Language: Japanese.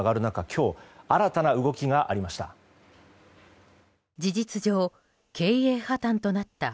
今日、新たな動きがありました。